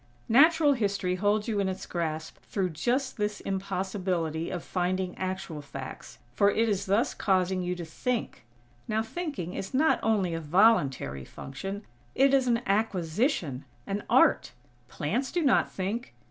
Natural History holds you in its grasp through just this impossibility of finding actual facts; for it is thus causing you to think. Now, thinking is not only a voluntary function; it is an acquisition; an art. Plants do not think.